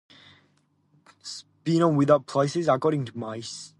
Socialism would fail as demand cannot be known without prices, according to Mises.